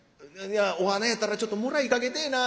お花やったらちょっともらいかけてぇな。